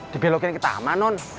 dibelokin ke taman non